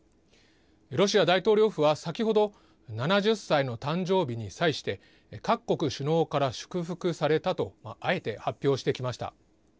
ロシア大統領府は、先ほど７０歳の誕生日に際して各国首脳から祝福されたとあえて発表してきました。